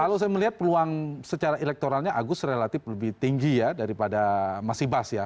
kalau saya melihat peluang secara elektoralnya agus relatif lebih tinggi ya daripada mas ibas ya